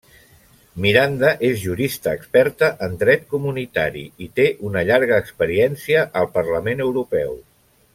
Miranda és jurista experta en dret comunitari i té una llarga experiència al Parlament Europeu.